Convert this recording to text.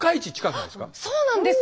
そうなんです。